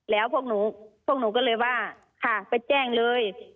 แล้วพวกหนูพวกหนูก็เลยว่าค่ะไปแจ้งเลย